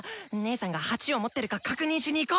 姐さんが鉢を持ってるか確認しに行こう！